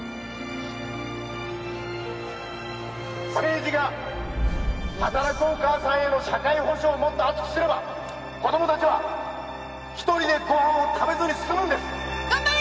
政治が働くお母さんへの社会保障をもっと厚くすれば子供たちは１人でご飯を食べずに済むんです！